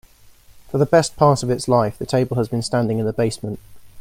For the best part of its life, the table has been standing in the basement.